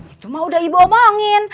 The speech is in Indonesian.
itu mah udah ibu omongin